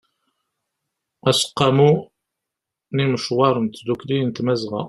aseqqamu n ymcawer n tdukli n tmazɣa